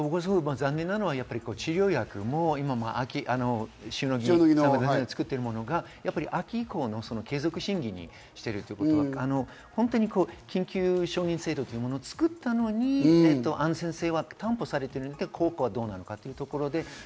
残念なのは治療薬も今、塩野義が作っているものが秋以降の継続審議に来ているということは緊急承認制度というものを作ったのに、安全性は担保されているけれど、効果はどうなのかというところで。